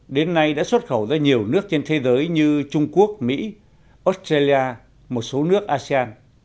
đến nay đã xuất khẩu ra nhiều nước trên thế giới như trung quốc mỹ australia một số nước asean